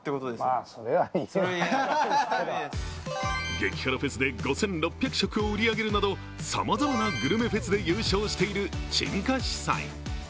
激辛フェスで５６００食を売り上げるなどさまざまなグルメフェスで優勝している陳家私菜。